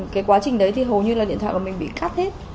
cái quá trình đấy thì hầu như là điện thoại của mình bị cắt hết